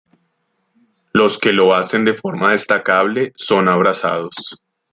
Los que lo hacen de forma destacable son abrazados.